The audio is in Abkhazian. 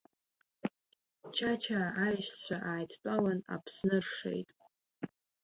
Чачаа аишьцәа ааидтәалан Аԥсны ршеит…